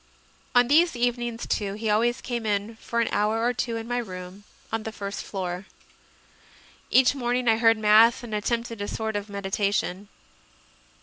On these evenings, too, he always came in for an hour or two in my room, on the first floor. Each morning I heard Mass and attempted a sort of med itation.